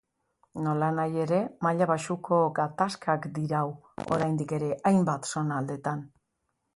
Nolanahi ere, maila baxuko gatazkak dirau oraindik ere hainbat zonaldetan.